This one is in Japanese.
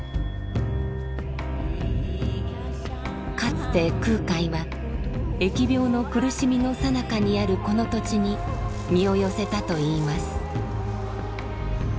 かつて空海は疫病の苦しみのさなかにあるこの土地に身を寄せたといいます。